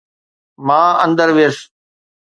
مان اندر ويس.